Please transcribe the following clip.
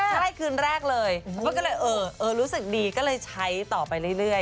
ใช่คืนแรกเลยแล้วก็เลยเออเออรู้สึกดีก็เลยใช้ต่อไปเรื่อยเรื่อย